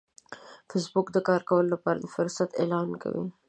فېسبوک د کار لپاره د فرصتونو اعلان کوي